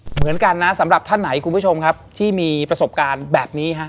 เหมือนกันนะสำหรับท่านไหนคุณผู้ชมครับที่มีประสบการณ์แบบนี้ฮะ